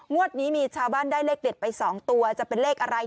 วันนี้มีชาวบ้านได้เลขเด็ดไป๒ตัวจะเป็นเลขอะไร